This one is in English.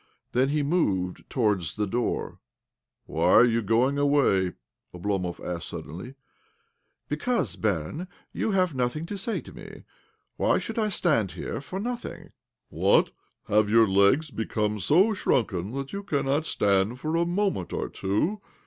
Then he moved towar'ds the door. "Why are you going away?" Oblomov asked suddenly. " Because, barin, you have nothing to say to me. Why should I stand here for nothing?" •" Master " Or " sir." OBLOMOV 17 " What ? Have your legs become so shrunken that you cannot stand for a moment or two?